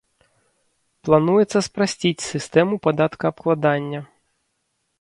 Плануецца спрасціць сістэму падаткаабкладання.